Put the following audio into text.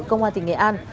công an tỉnh nghệ an